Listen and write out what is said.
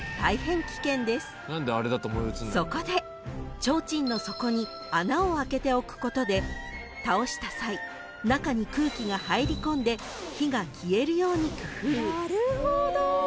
［そこで提灯の底に穴をあけておくことで倒した際中に空気が入り込んで火が消えるように工夫］